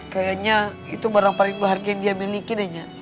kayaknya itu barang paling berharga yang dia miliki dehnya